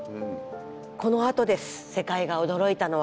このあとです世界が驚いたのは。